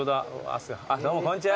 どうもこんにちは。